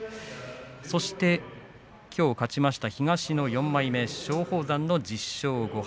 そしてきょう勝ちました東の４枚目、松鳳山１０勝５敗。